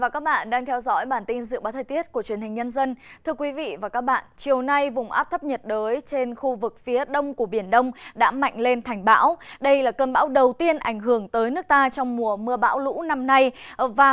các bạn hãy đăng ký kênh để ủng hộ kênh của chúng mình nhé